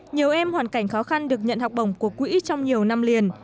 nhiều em hoàn cảnh khó khăn được nhận học bổng của quỹ trong nhiều năm liền